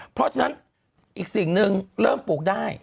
เพราะฉะนั้นอีกสิ่งหนึ่งเริ่มปลูกได้